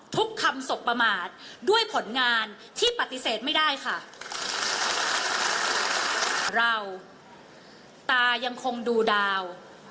ตายังคงดูดาว